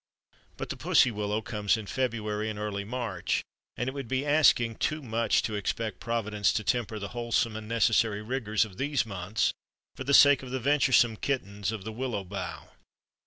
But the Pussy Willow comes in February and early March and it would be asking too much to expect Providence to temper the wholesome and necessary rigors of these months for the sake of the venturesome kittens of the Willow bough.